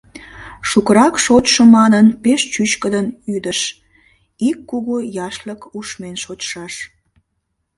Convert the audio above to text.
Шукырак шочшо манын, пеш чӱчкыдын ӱдыш, ик кугу яшлык ушмен шочшаш.